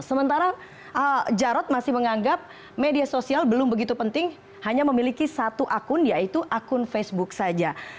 sementara jarod masih menganggap media sosial belum begitu penting hanya memiliki satu akun yaitu akun facebook saja